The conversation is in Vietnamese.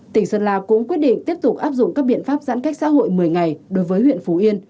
tỉnh sơn la cũng quyết định tiếp tục áp dụng các biện pháp giãn cách xã hội một mươi ngày đối với huyện phú yên